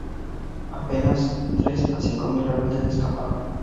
Apenas tres a cinco mil rebeldes escaparon.